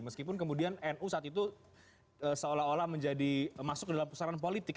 meskipun kemudian no saat itu seolah olah masuk ke dalam pusaran politik